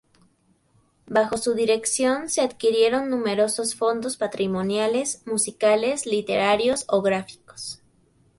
Bajo su dirección se adquirieron numerosos fondos patrimoniales musicales, literarios o gráficos.